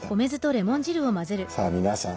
さあ皆さん